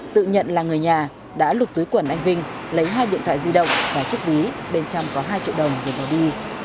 tự nhận là người nhà đã lục túi quần anh vinh lấy hai điện thoại di động và chiếc ví bên trong có hai triệu đồng rồi bỏ đi